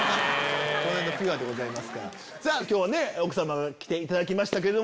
今日は奥様が来ていただきましたけど。